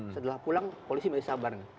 setelah pulang polisi menjadi sabar